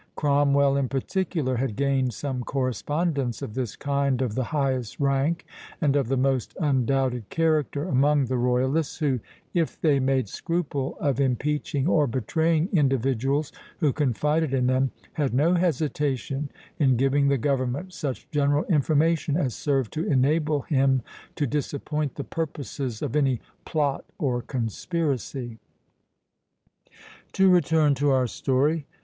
Cromwell, in particular, had gained some correspondents of this kind of the highest rank, and of the most undoubted character, among the royalists, who, if they made scruple of impeaching or betraying individuals who confided in them, had no hesitation in giving the government such general information as served to enable him to disappoint the purposes of any plot or conspiracy. To return to our story.